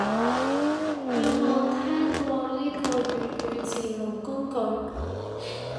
有冇聽過呢個粵語字幕工具